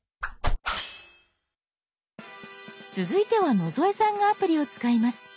続いては野添さんがアプリを使います。